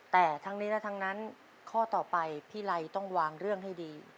แต่ทั้งนี้และทั้งนั้นข้อต่อไปพี่ไลต้องวางเรื่องให้ดี